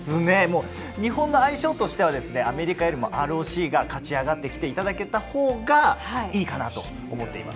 日本の相性としてはアメリカよりもＲＯＣが勝ち上がって来ていただけたほうがいいかなと思っています。